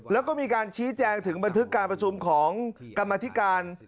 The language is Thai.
แล้วก็มีการชี้แจงถึงบันทึกการประชุมของกรรมธิการ